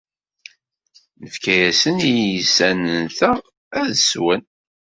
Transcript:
Nefka-asen i yiysan-nteɣ ad swen.